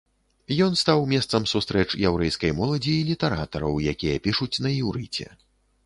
Ён стаў месцам сустрэч яўрэйскай моладзі і літаратараў, якія пішуць на іўрыце.